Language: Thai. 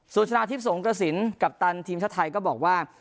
ส่วนชนะทิพย์สงกระสินกัปตันทีมชาติไทยก็บอกว่า